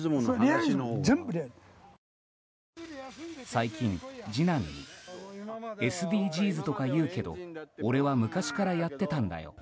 最近、次男にＳＤＧｓとかいうけど俺は昔からやってたんだよ